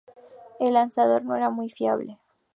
El lanzador no era muy fiable.